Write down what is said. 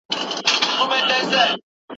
ايا تسليمي او عاجزي د رښتيني ايمان نښه ده؟